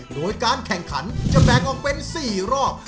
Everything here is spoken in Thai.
โดยการแข่งขันจะแบ่งออกเป็น๔รอบ